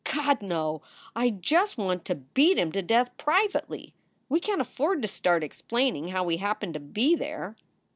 "God, no! I just want to beat him to death privately. We can t afford to start explaining how we happened to be there."